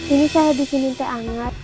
ini saya di siniin teh anget